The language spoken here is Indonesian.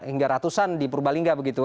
hingga ratusan di purbalingga begitu